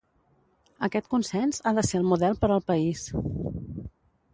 Aquest consens ha de ser el model per al país.